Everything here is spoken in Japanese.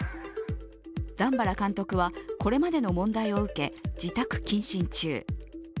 段原監督は、これまでの問題を受け自宅謹慎中。